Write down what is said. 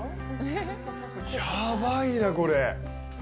やばいな、これ。